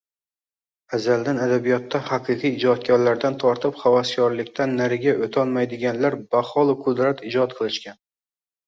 Azaldan adabiyotda haqiqiy ijodkorlardan tortib, havaskorlikdan nariga o`tolmaydiganlar baholu qudrat ijod qilishgan